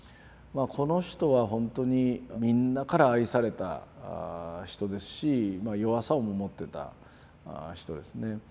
この人はほんとにみんなから愛された人ですし弱さも持ってた人ですね。